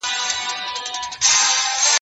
زه اوږده وخت د سبا لپاره د سوالونو جواب ورکوم،